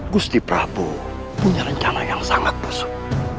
gusti prabu punya rencana yang sangat busuk